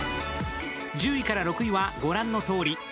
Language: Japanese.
１０位から６位は御覧のとおり。